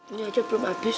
ini aja belum habis